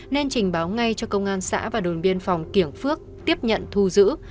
nên trình báo ngay cho công an xã và đồn biên phòng kiểng phước tiếp nhận thu giữ